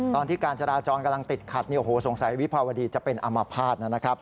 การจราจรกำลังติดขัดสงสัยวิภาวดีจะเป็นอมภาษณ์นะครับ